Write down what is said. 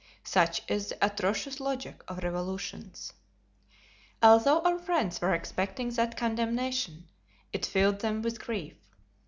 Such is the atrocious logic of revolutions. Although our friends were expecting that condemnation, it filled them with grief.